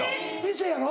店やろ？